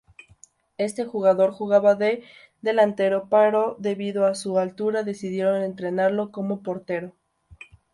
Este jugador jugaba de delantero pero debido a su altura decidieron entrenarlo como portero.